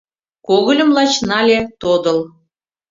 Когыльым лач нале, тодыл.